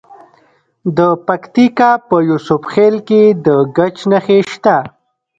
د پکتیکا په یوسف خیل کې د ګچ نښې شته.